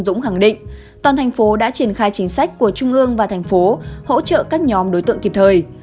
nguyễn dũng khẳng định toàn thành phố đã triển khai chính sách của trung ương và thành phố hỗ trợ các nhóm đối tượng kịp thời